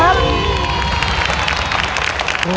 เร็วเร็วเร็ว